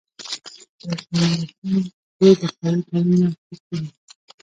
برټانوي هند دې دفاعي تړون لاسلیک کړي.